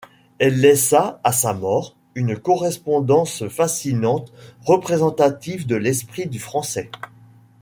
Elle laissa, à sa mort, une correspondance fascinante représentative de l'esprit du français.